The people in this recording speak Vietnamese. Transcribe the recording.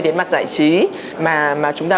đến mặt giải trí mà chúng ta